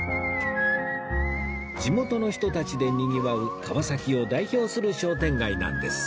地元の人たちでにぎわう川崎を代表する商店街なんです